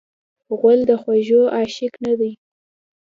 غول د خوږو عاشق نه دی.